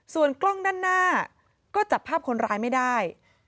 ส่วนกล้องด้านหน้าก็จับภาพคนร้ายไม่ได้